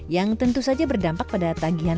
yang tentu saja berdampak pada tagihan